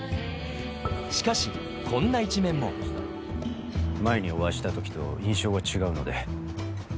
しかし前にお会いした時と印象が違うので。